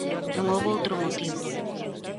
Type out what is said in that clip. Non houbo outro motivo.